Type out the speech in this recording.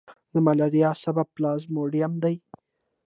د ملیریا سبب پلازموډیم دی.